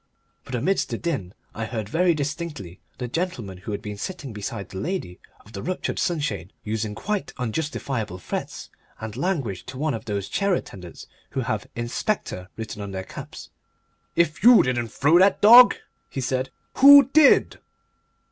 But amidst the din I heard very distinctly the gentleman who had been sitting beside the lady of the ruptured sunshade using quite unjustifiable threats and language to one of those chair attendants who have "Inspector" written on their caps. "If you didn't throw the dog," he said, "who DID?"